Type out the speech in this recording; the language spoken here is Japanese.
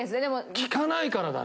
聴かないからだね。